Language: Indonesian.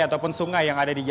ataupun sungai yang ada di jalan